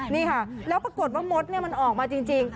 นี่ค่ะแล้วปรากฏว่ามดมันออกมาจริง